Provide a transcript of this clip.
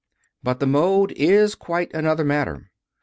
But the mode is quite another matter.